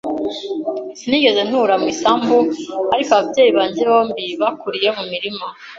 Sinigeze ntura mu isambu, ariko ababyeyi banjye bombi bakuriye mu mirima.